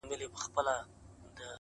په خپله کوڅه کي سپى هم، زمرى وي.